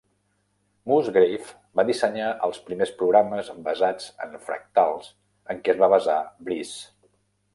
Musgrave va dissenyar els primers programes basats en fractals en què es va basar Bryce.